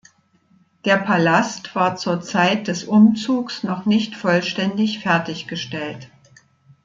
Der Palast war zur Zeit des Umzugs noch nicht vollständig fertig gestellt.